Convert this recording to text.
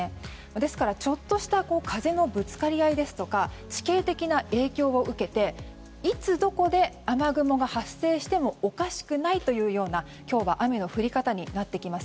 ですから、ちょっとした風のぶつかり合いですとか地形的な影響を受けていつどこで雨雲が発生してもおかしくないというような今日は雨の降り方になってきます。